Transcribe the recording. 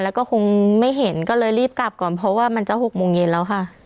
แล้วก็คงไม่เห็นก็เลยรีบกลับก่อนเพราะว่ามันจะ๖โมงเย็นแล้วค่ะ